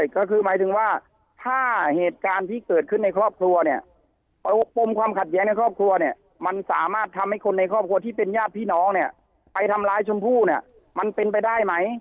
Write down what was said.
ก็คือหมายถึงว่าถ้าเหตุการณ์ที่เกิดขึ้นในครอบครัวเนี่ยปมความขัดแย้งในครอบครัวเนี่ยมันสามารถทำให้คนในครอบครัวที่เป็นญาติพี่น้องเนี่ยไปทำร้ายชมพู่เนี่ยมันเป็นไปได้ไหม